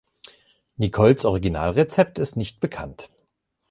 Nicols Originalrezept ist nicht bekannt.